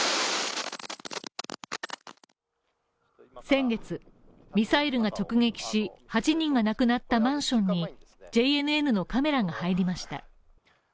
先月、ミサイルが直撃し、８人が亡くなったマンションにＪＮＮのカメラが入りました。